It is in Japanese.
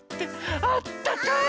あったかい！